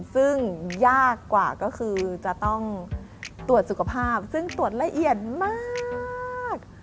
ซึ่งยากกว่าก็คือจะต้องตรวจสุขภาพซึ่งตรวจละเอียดมาก